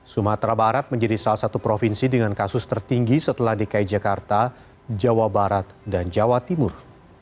sumatera barat menjadi salah satu provinsi dengan kasus tertinggi setelah dki jakarta jawa barat dan jawa timur